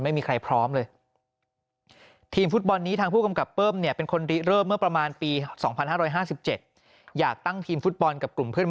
หยุดหยุดหยุดหยุดหยุดหยุด